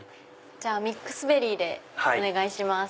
じゃあミックスベリーでお願いします。